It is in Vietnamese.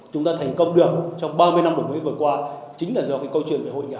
chúng ta thành công được trong ba mươi năm đổi mới vừa qua chính là do cái câu chuyện về hội nhạc